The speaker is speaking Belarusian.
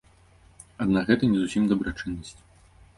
Аднак гэта не зусім дабрачыннасць.